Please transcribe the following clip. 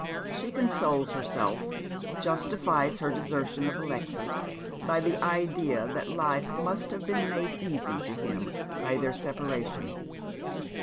Slie consoles herself — justifies her deser tion of Alexis — by the idea that life must have been made easy to him by their separation.